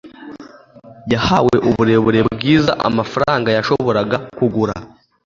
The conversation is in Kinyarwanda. Yahawe uburere bwiza amafaranga yashoboraga kugura